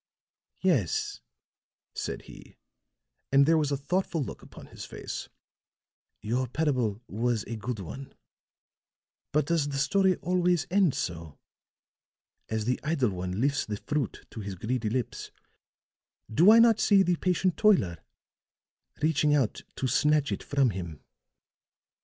"Yes," said he, and there was a thoughtful look upon his face, "your parable was a good one. But does the story always end so? As the idle one lifts the fruit to his greedy lips, do I not see the patient toiler reaching out to snatch it from him?"